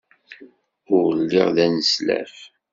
Ul lliɣ d aneslaf.